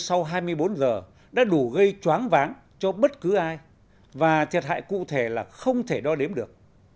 sau hai mươi bốn giờ đã đủ gây choáng váng cho bất cứ ai và thiệt hại cụ thể là không thể đo đếm được